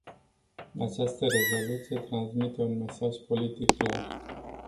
Această rezoluție transmite un mesaj politic clar.